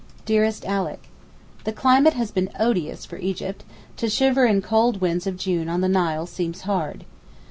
DEAREST ALICK, The climate has been odious for Egypt—to shiver in cold winds of June on the Nile seems hard.